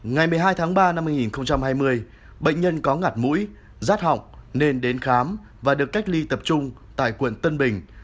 ngày một mươi hai tháng ba năm hai nghìn hai mươi bệnh nhân có ngặt mũi rát họng nên đến khám và được cách ly tập trung tại quận tân bình